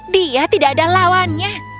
dia tidak ada lawannya